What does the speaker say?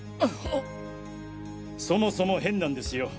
そもそも変なんですよ。